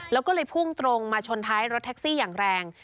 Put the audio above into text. แล้วก็เลยพุ่งตรงมาชนท้ายรถแท็กซี่อย่างแรง